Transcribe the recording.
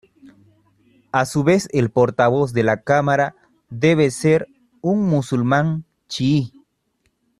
A su vez, el portavoz de la cámara debe ser un musulmán chií.